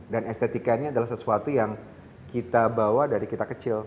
dan estetika ini adalah sesuatu yang kita bawa dari kita kecil